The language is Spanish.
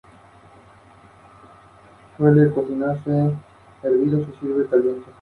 En el mes de mayo se grabaron algunos demos en el estudio Astros.